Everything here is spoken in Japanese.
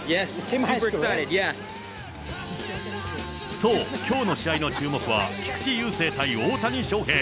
そう、きょうの試合の注目は、菊池雄星対大谷翔平。